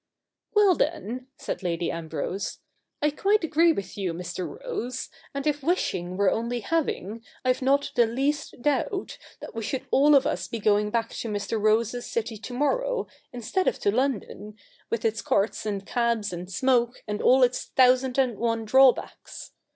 ' \Vell, then,' said Lady Ambrose, ' I quite agree with you, Mr. Rose ; and if wishing were only having, I've not the least doubt that we should all of us be going back to Mr. Rose's city to morrow, instead of to London, with its carts, and cabs, and smoke, and all its thousand and one drawbacks.